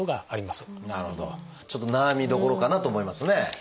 ちょっと悩みどころかなと思いますね。